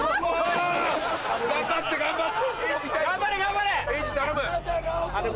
頑張れ頑張れ！